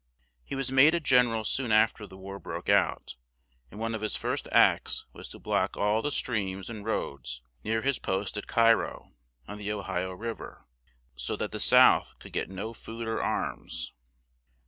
He was made a gen er al soon af ter the war broke out; and one of his first acts was to block all the streams and roads near his post at Cai ro, on the O hi o River, so that the South could get no food or arms.